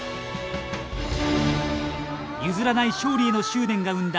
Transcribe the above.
譲らない勝利への執念が生んだ